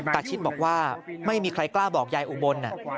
ชิดบอกว่าไม่มีใครกล้าบอกยายอุบล